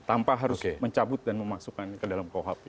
tanpa harus mencabut dan memasukkan ke dalam kuhp